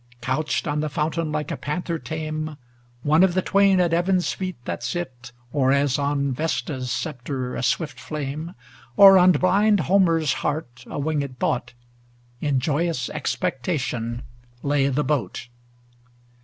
Couched on the fountain, like a panther tame ŌĆö One of the twain at Evan's feet that sit ŌĆö Or as on Vesta's sceptre a swift flame. Or on blind Homer's heart a winged thought, ŌĆö In joyous expectation lay the boat.